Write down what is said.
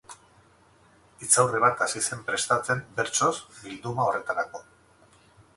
Hitzaurre bat hasi zen prestatzen, bertsoz, bilduma horretarako.